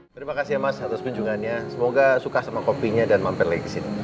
terima kasih mas atas kunjungannya semoga suka sama kopinya dan mampir lagi disini